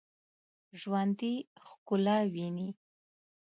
ژوندي ښکلا ویني